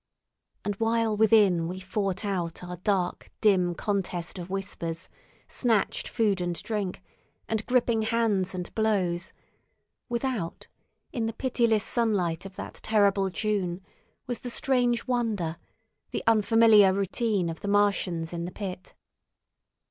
And while within we fought out our dark, dim contest of whispers, snatched food and drink, and gripping hands and blows, without, in the pitiless sunlight of that terrible June, was the strange wonder, the unfamiliar routine of the Martians in the pit.